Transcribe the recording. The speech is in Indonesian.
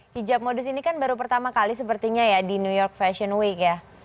hijab modus ini kan baru pertama kali sepertinya ya di new york fashion week ya